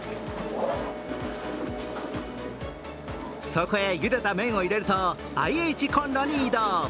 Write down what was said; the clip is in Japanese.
そこへ、茹でた麺を入れるとＩＨコンロに移動。